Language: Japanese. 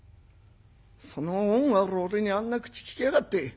その恩ある俺にあんな口利きやがって。